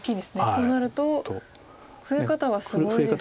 こうなると増え方はすごいですが。